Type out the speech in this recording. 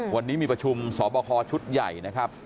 วันนี้มีประชุมสอบคอชุดใหญ่นะครับ